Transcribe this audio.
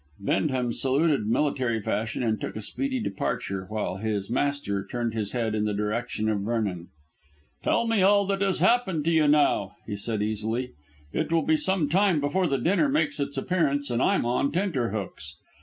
Bendham saluted military fashion and took a speedy departure, while his master turned his head in the direction of Vernon. "Tell me all that has happened to you now," he said easily; "it will be some time before the dinner makes its appearance, and I'm on tenterhooks.